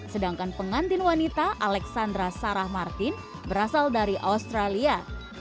sedangkan pengantin wanita alexandra sarah martin berasal dari australia